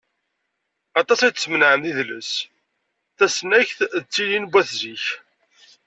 Aṭas ay d-smenɛem d idles, tasnagt d tilin n wat zik.